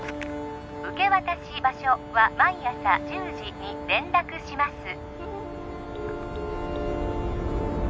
受け渡し場所は毎朝１０時に連絡します